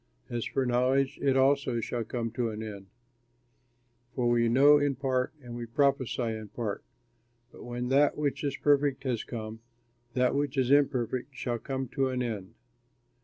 As for knowledge it also shall come to an end; for we know in part, and we prophesy in part. But when that which is perfect has come, that which is imperfect shall come to an end.